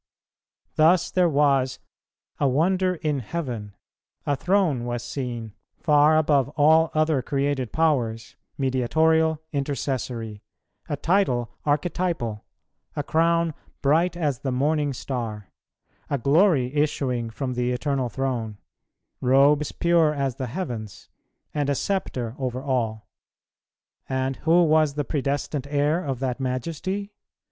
Thus there was "a wonder in heaven:" a throne was seen, far above all other created powers, mediatorial, intercessory; a title archetypal; a crown bright as the morning star; a glory issuing from the Eternal Throne; robes pure as the heavens; and a sceptre over all; and who was the predestined heir of that Majesty?